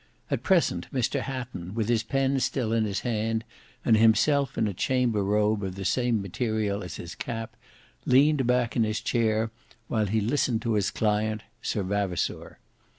At present Mr Hatton, with his pen still in his hand and himself in a chamber robe of the same material as his cap, leant back in his chair, while he listened to his client, Sir Vavasour.